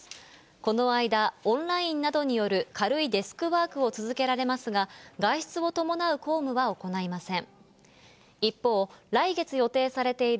この間、オンラインなどによる軽いデスクワークを続けられますが、外出を伴う公務は行いません。